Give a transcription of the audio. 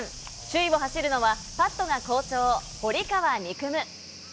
首位を走るのは、パットが好調、堀川未来夢。